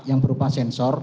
yang berupa sensor